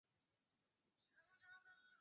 仕至湖广按察使司副使。